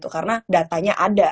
karena datanya ada